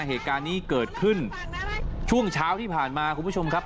เหตุการณ์นี้เกิดขึ้นช่วงเช้าที่ผ่านมาคุณผู้ชมครับ